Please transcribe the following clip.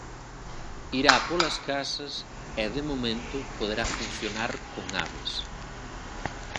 Irá polas casas e, de momento, poderá funcionar con aves.